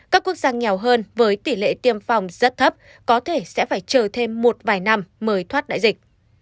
các quốc gia nghèo hơn với tỷ lệ tiêm phòng rất thấp có thể sẽ phải chờ thêm một vài năm mới thoát đại dịch